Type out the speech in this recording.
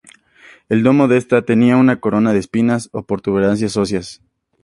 El domo de esta tenía una corona de espinas y protuberancias óseas.